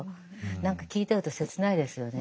何か聞いてると切ないですよね。